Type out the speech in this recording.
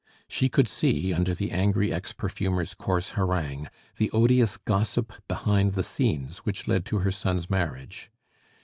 She could see, under the angry ex perfumer's coarse harangue, the odious gossip behind the scenes which led to her son's marriage.